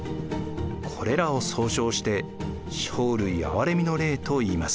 これらを総称して生類憐みの令といいます。